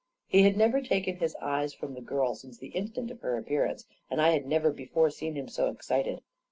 He had never taken his eyes from the girl since the instant of her appearance, and I had never be fore seen him so excited.